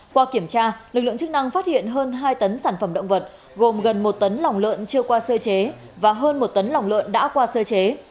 qua kiểm tra lực lượng chức năng phát hiện hơn hai tấn sản phẩm động vật gồm gần một tấn lòng lợn chưa qua sơ chế và hơn một tấn lòng lợn đã qua sơ chế